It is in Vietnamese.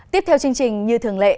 tiếp theo chương trình như thường lệ